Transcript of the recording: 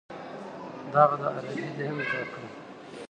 دغه ده عربي دې هم زده کړه.